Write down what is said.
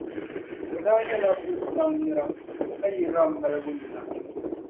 O daa nyɛla Buz daŋ ni nira, ka yi Ram malibu ni na.